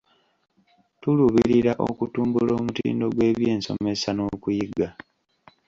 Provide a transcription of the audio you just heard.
Tuluubirira okutumbula omutindo gw'ebyensomesa n'okuyiga.